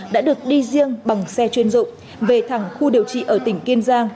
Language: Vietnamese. đã được đi riêng bằng xe chuyên dụng về thẳng khu điều trị ở tỉnh kiên giang